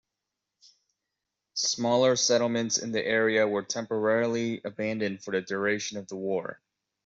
Smaller settlements in the area were temporarily abandoned for the duration of the war.